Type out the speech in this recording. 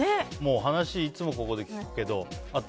話、いつもここで聞くけど。